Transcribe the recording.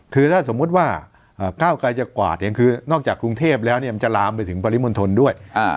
คือถ้าสมมุติว่าก้าวไกรจะกวาดเองคือนอกจากกรุงเทพแล้วมันจะลามไปถึงปริมณฑลด้วย